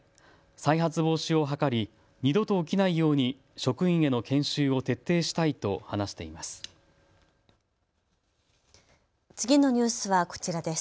再発防止を図り二度と起きないように職員への研修を徹底したいと話しています。